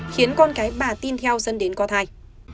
khiến con cái bà tin theo dân đến có thai